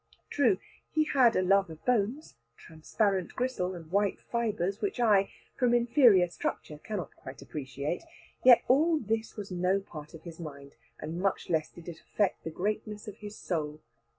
True, he had a love of bones, transparent gristle, and white fibres, which I, from inferior structure, cannot quite appreciate. Yet all this was no part of his mind, much less did it affect the greatness of his soul.